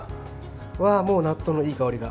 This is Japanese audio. もう納豆のいい香りが。